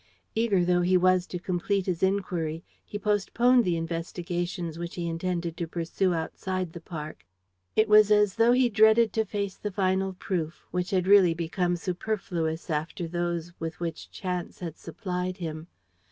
Eager though he was to complete his inquiry, he postponed the investigations which he intended to pursue outside the park. It was as though he dreaded to face the final proof, which had really become superfluous after those with which chance had supplied him.